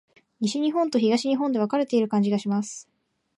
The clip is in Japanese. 西日本と東日本で分かれている感じがします。